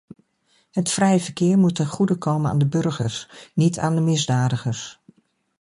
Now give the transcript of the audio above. Het vrije verkeer moet ten goede komen aan de burgers, niet aan de misdadigers.